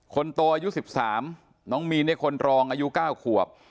คนโตอายุสิบสามน้องมีนเนี่ยคนรองอายุเก้าขวบ